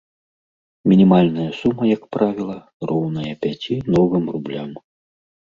Мінімальная сума, як правіла, роўная пяці новым рублям.